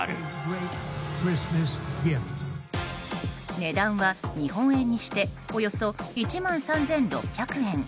値段は日本円にしておよそ１万３６００円。